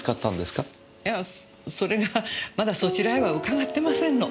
いやそれがまだそちらへは伺ってませんの。